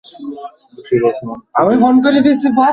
বেশিরভাগ শরণার্থীরা সুদান ও ইথিওপিয়ার নাগরিক।